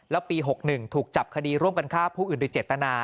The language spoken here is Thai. แล้วปี๖๑ถูกจับคดีร่วมกันฆ่าผู้อื่นโดยเจตนา